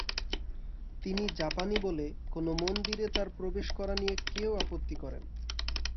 তিনি জাপানী বলে কোন মন্দিরে তাঁর প্রবেশ করা নিয়ে কেউ আপত্তি করে না।